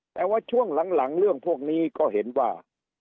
แต่ว่าช่วงหลังเรื่องพวกนี้ก็เห็นว่า